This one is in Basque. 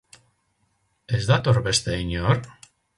Ez dator beste inor?